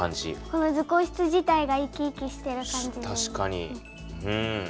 この図工室自体が生き生きしてる感じに見える。